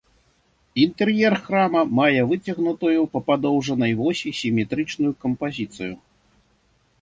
Інтэр'ер храма мае выцягнутую па падоўжнай восі сіметрычную кампазіцыю.